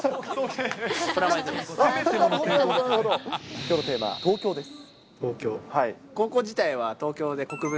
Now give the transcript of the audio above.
きょうのテーマは東京です。